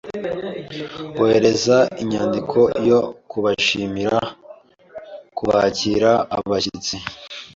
Ohereza inyandiko yo kubashimira kubakira abashyitsi.